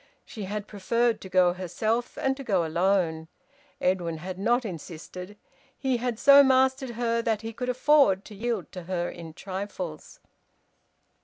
She had preferred to go herself, and to go alone. Edwin had not insisted. He had so mastered her that he could afford to yield to her in trifles.